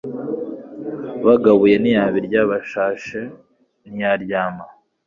bagabuye ntiyabirya bashashe ntiyaryama